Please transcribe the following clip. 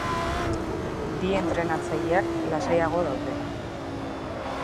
Bi entrenatzaileak, lasaiago daude.